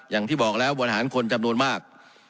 อย่างที่บอกแล้วบริหารคนจำนวนมาก